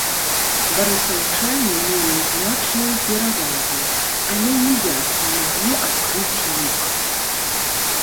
Барысаўчане мелі значную перавагу, але ніяк не маглі адкрыць лік.